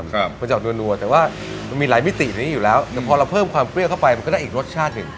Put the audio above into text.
ครับมันจะออกนัวแต่ว่ามันมีหลายมิติในนี้อยู่แล้วแต่พอเราเพิ่มความเปรี้ยวเข้าไปมันก็ได้อีกรสชาติหนึ่ง